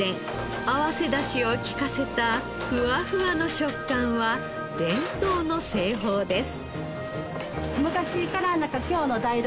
合わせだしを利かせたフワフワの食感は伝統の製法です。